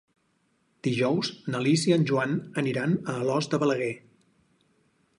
Dijous na Lis i en Joan aniran a Alòs de Balaguer.